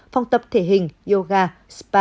phòng tập thể hình yoga spa